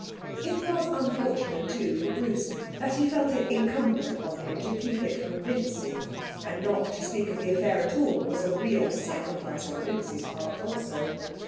It was unfortunate, too, for Bruce, that he felt it incumbent on him to keep it from Vincy; and not to speak of the affair at all was a real sacrifice on Vincy's part, also.